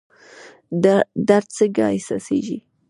درد څنګه احساسیږي؟